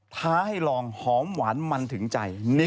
ท้าให้ลองหอมหวานมันถึงใจ